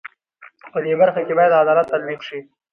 په دې برخه کې بايد عدالت تطبيق شي.